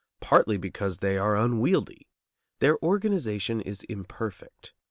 Partly because they are unwieldy. Their organization is imperfect.